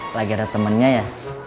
lagi ada temennya ya